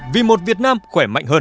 vì một việt nam khỏe mạnh hơn